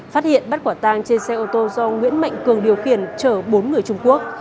phát hiện bắt quả tang trên xe ô tô do nguyễn mạnh cường điều khiển chở bốn người trung quốc